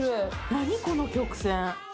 何この曲線。